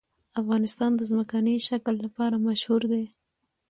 افغانستان د ځمکنی شکل لپاره مشهور دی.